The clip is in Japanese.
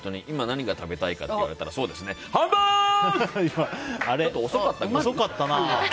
今、何が食べたいかって言われたらハンバーグ！